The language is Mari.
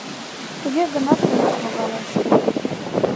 Туге гынат каяш логалеш.